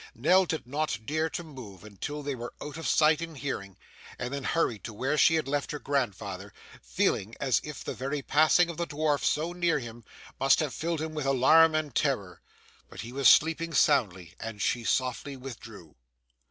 Nell did not dare to move until they were out of sight and hearing, and then hurried to where she had left her grandfather, feeling as if the very passing of the dwarf so near him must have filled him with alarm and terror. But he was sleeping soundly, and she softly withdrew.